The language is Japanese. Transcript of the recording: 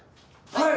はい！